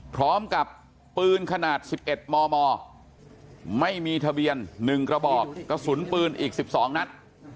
พร้อมกับปืนขนาด๑๑มมไม่มีทะเบียน๑กระบอกกระสุนปืนอีก๑๒นัด